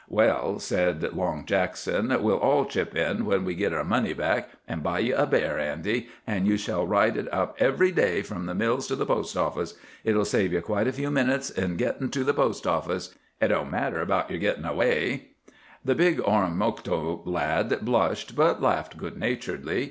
"Well," said Long Jackson, "we'll all chip in, when we git our money back, an' buy ye a bear, Andy, an' ye shall ride it up every day from the mills to the post office. It'll save ye quite a few minutes in gittin' to the post office. It don't matter about yer gittin' away." The big Oromocto lad blushed, but laughed good naturedly.